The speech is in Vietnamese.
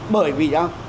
bởi vì sao